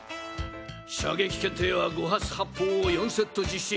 射撃検定は５発発砲を４セット実施！